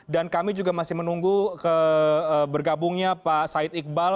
dan kami juga masih menunggu bergabungnya pak said iqbal